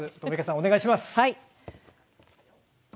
お願いします。